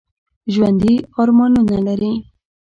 ژوندي ارمانونه لري